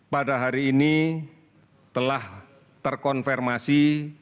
pada hari ini telah terkonfirmasi